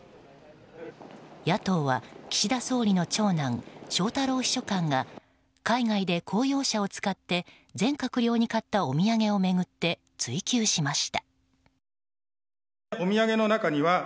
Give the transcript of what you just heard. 野党は岸田総理の長男翔太郎秘書官が海外で公用車を使って全閣僚に買ったお土産を巡って追及しました。